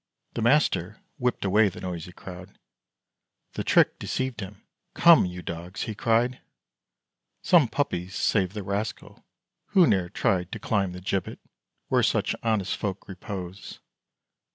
The master whipped away the noisy crowd: The trick deceived him. "Come, you dogs!" he cried, "Some puppy's saved the rascal, who ne'er tried To climb the gibbet where such honest folk Repose.